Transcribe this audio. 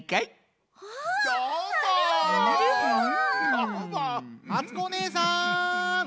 あつこおねえさん。